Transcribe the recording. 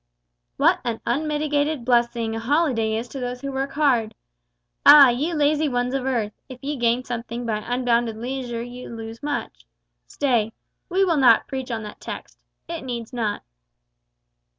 What an unmitigated blessing a holiday is to those who work hard! Ah! ye lazy ones of earth, if ye gain something by unbounded leisure ye lose much. Stay we will not preach on that text. It needs not!